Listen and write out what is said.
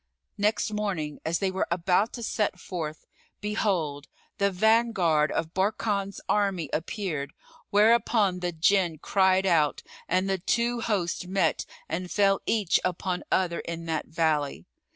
Next morning as they were about to set forth, behold, the vanguard of Barkan's army appeared, whereupon the Jinn cried out and the two hosts met and fell each upon other in that valley.